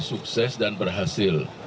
sukses dan berhasil